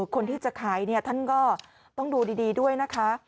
คนที่จะขายท่านก็ต้องดูดีด้วยนะคะ